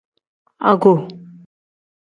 Ago.